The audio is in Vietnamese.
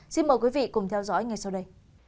xin mời quý vị cùng theo dõi ngay sau đây